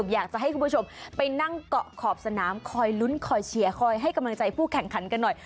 อยากจะให้คุณผู้ชมไปนั่งเกาะขอบสนามคอยลุ้นคอยเชียร์คอยให้กำลังใจผู้แข่งขันกันหน่อย